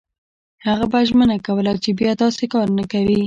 هغه به ژمنه کوله چې بیا داسې کار نه کوي.